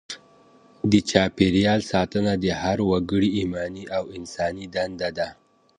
د چاپیریال ساتنه د هر وګړي ایماني او انساني دنده ده.